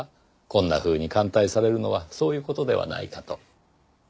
こんなふうに歓待されるのはそういう事ではないかと。